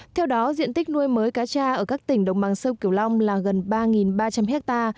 theo đó diện tích nuôi mới cá cha ở các tỉnh đồng bằng sông kiều long là gần ba ba trăm linh ha